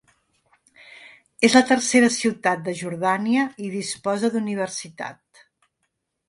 És la tercera ciutat de Jordània i disposa d'universitat.